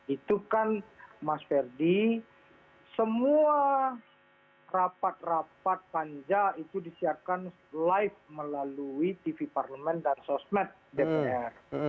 itu kan mas ferdi semua rapat rapat panja itu disiapkan live melalui tv parlemen dan sosmed dpr